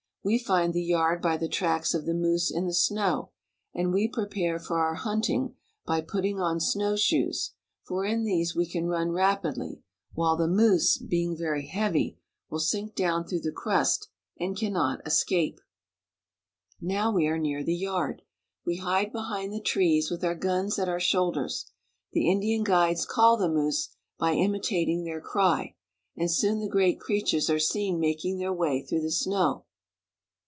We find the yard by the tracks of the moose in the snow, and we prepare for our hunting by putting on snowshoes ; for in these we can run rapidly, while the moose, being very heavy, will sink down through the crust, and cannot escape. Now we are near the yard. We hide behind the trees, with our guns at our shoulders. The Indian guides call the moose by imitating their cry, and soon the great creatures are seen making their way through the snow.